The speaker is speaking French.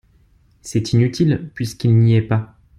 C’est inutile… puisqu’il n’y est pas !